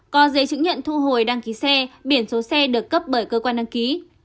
có giấy chứng nhận thu hồi đăng ký xe biển số xe được cấp bởi cơ quan đăng ký